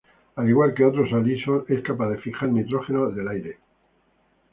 Al igual que otros alisos, es capaz de fijar nitrógeno del aire.